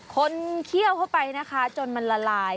เคี่ยวเข้าไปนะคะจนมันละลาย